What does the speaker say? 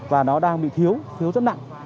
và nó đang bị thiếu thiếu rất nặng